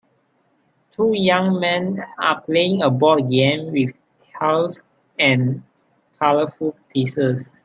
Two young men are playing a board game with tiles and colorful pieces.